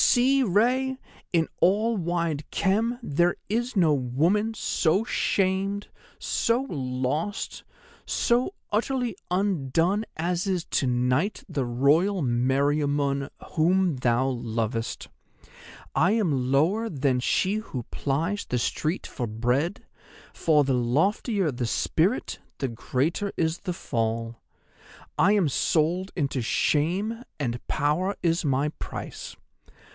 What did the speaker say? See, Rei, in all wide Khem there is no woman so shamed, so lost, so utterly undone as is to night the Royal Meriamun, whom thou lovest. I am lower than she who plies the street for bread, for the loftier the spirit the greater is the fall. I am sold into shame, and power is my price.